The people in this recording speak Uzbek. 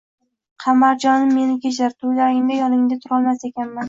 “Qamarjonim, meni kechir, to‘ylaringda yoningda turolmas ekanman